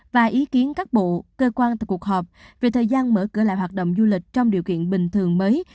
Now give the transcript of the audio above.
và ý kiến các bộ cơ quan tại cuộc họp về thời gian mở cửa lại hoạt động du lịch trong điều kiện bình thường mới